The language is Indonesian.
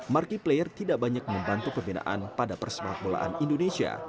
markiplier tidak banyak membantu pembinaan pada pesepak bolaan indonesia